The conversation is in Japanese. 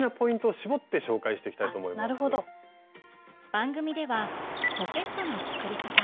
番組では「ポケットの作り方」。